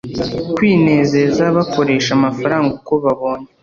kwinezeza bakoresha amafaranga uko babonye